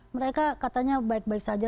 mereka katanya baik baik saja